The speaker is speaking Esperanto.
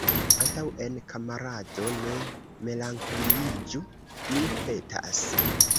Antaŭen, kamarado! ne melankoliiĝu, mi petas.